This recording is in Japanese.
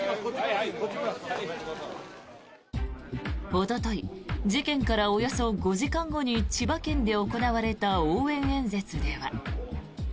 おととい事件からおよそ５時間後に千葉県で行われた応援演説では。